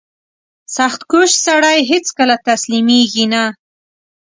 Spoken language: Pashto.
• سختکوش سړی هیڅکله تسلیمېږي نه.